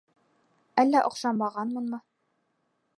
Әллә оҡшамағанмынмы?